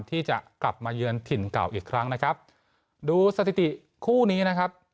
ที่จะกลับมาเยือนถิ่นเก่าอีกครั้งนะครับดูสถิติคู่นี้นะครับ